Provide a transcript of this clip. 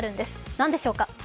何でしょう。